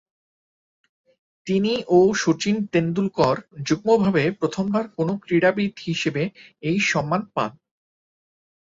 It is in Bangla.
তিনি ও শচীন তেন্ডুলকর যুগ্মভাবে প্রথমবার কোনো ক্রীড়াবিদ হিসেবে এই সম্মান পান।